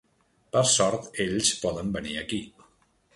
Per sort ells poden venir aquí.